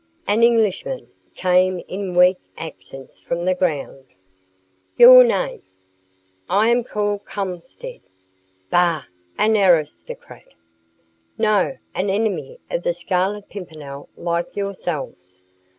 "An Englishman," came in weak accents from the ground. "Your name?" "I am called Kulmsted." "Bah! An aristocrat!" "No! An enemy of the Scarlet Pimpernel, like yourselves.